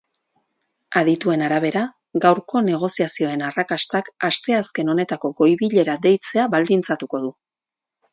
Adituen arabera, gaurko negoziazioen arrakastak asteazken honetako goi-bilera deitzea baldintzatuko du.